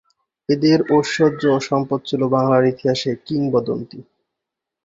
এঁদের ঐশ্বর্য ও সম্পদ ছিল বাংলার ইতিহাসে কিংবদন্তি।